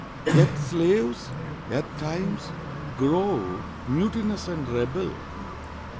Yet slaves, at times, grow mutinous and rebel.